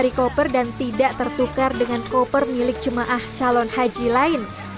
dari koper dan tidak tertukar dengan koper milik jemaah calon haji lain